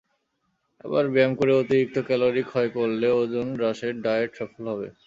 আবার ব্যায়াম করে অতিরিক্ত ক্যালরি ক্ষয় করলে ওজন হ্রাসের ডায়েট সফল হবে।